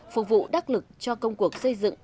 phục vụ đắc lực cho công cuộc xây dựng